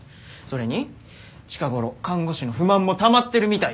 それに近頃看護師の不満もたまってるみたいだし。